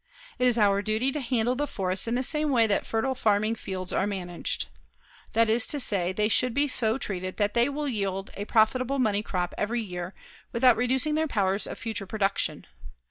It is our duty to handle the forests in the same way that fertile farming fields are managed. That is to say, they should be so treated that they will yield a profitable money crop every year without reducing their powers of future production.